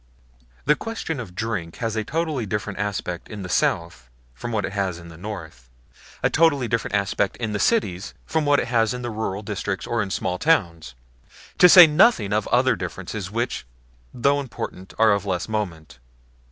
The question of drink has a totally different aspect in the South from what it has in the North; a totally different aspect in the cities from what it has in the rural districts or in small towns; to say nothing of other differences which, though important, are of less moment.